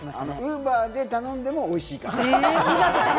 ウーバーで頼んでも、おいしいから。